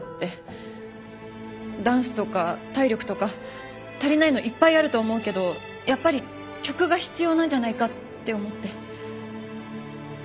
ダンスとか体力とか足りないのいっぱいあると思うけどやっぱり曲が必要なんじゃないかって思って。